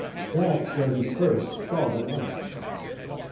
That's where he first saw the light."